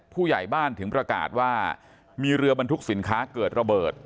ผู้ใหญ่บ้านถึงประกาศว่ามีเรือบรรทุกสินค้าเกิดระเบิด